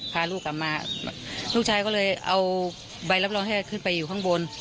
พาลูกกลับมาลูกชายก็เลยเอาใบรับรองแพทย์ขึ้นไปอยู่ข้างบน